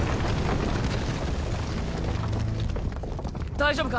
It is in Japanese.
大丈夫か？